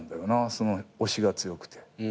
その押しが強くて。